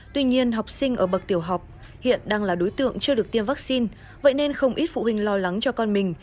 tuy nhiên học sinh ở bậc tiểu học hiện đang là đối tượng chưa được tiêm vaccine vậy nên không ít phụ huynh lo lắng cho con mình